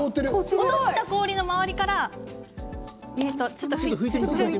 落とした氷の周りから。